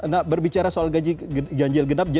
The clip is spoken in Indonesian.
nah berbicara soal ganjil genap